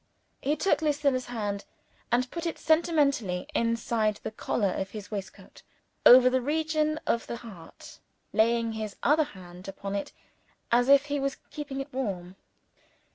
He took Lucilla's hand, and put it sentimentally inside the collar of his waistcoat, over the region of the heart; laying his other hand upon it as if he was keeping it warm.